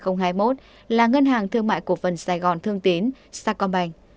năm hai nghìn hai mươi một là ngân hàng thương mại cộng phần sài gòn thương tiến sacombank